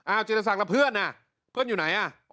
อ้าวเจรสักแล้วเพื่อนอ่ะเพื่อนอยู่ไหนอ่ะ